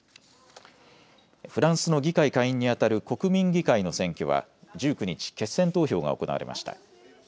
フランスの議会下院に当たる国民議会の選挙は１９日、決選投票が行われました。